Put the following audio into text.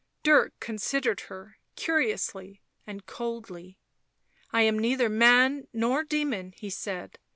Dirk considered her curiously and coldly. " I am neither man nor demon," he said.